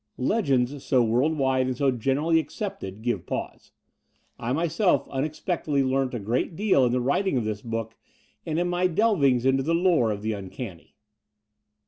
Legends so world wide and so generally accepted give pause. I myself tmexpectedly learnt a great deal in the writing of this book and in my drivings into the lore of the tmcanny